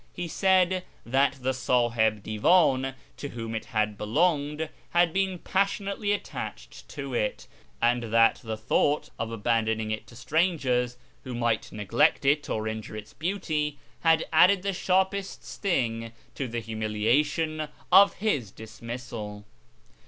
He said that the Sahib Divan, to whom it had belonged, had been passionately attached to it, and that the thought of abandoning it to strangers, who might neglect it or injure its beauty, had added the sharpest sting to the humiliation of his dismissal.